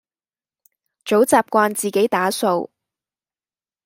早習慣自己打掃